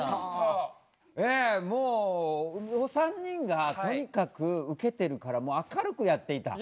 ええもうお三人がとにかくウケてるからもう明るくやっていた。